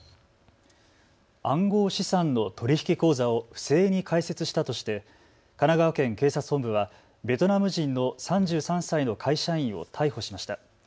暗号資産の取引口座を不正に開設したとして神奈川県警察本部はベトナム人の３３歳の会社員を逮捕しました。